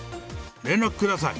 連絡ください！